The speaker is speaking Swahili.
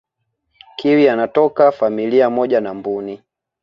kiwi anatoka familia moja na mbuni